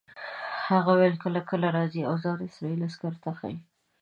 هغه وویل چې کله کله راځي او ځان اسرائیلي عسکرو ته ښیي.